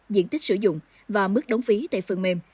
diện tích sử dụng và mức đóng phí tại phần mềm